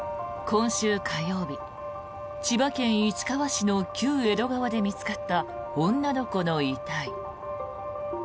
今週火曜日、千葉県市川市の旧江戸川で見つかった女の子の遺体。